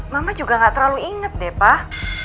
mama juga gak terlalu inget deh pak